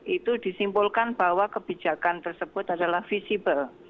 itu disimpulkan bahwa kebijakan tersebut adalah visible